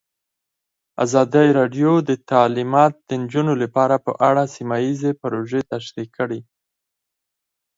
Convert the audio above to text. ازادي راډیو د تعلیمات د نجونو لپاره په اړه سیمه ییزې پروژې تشریح کړې.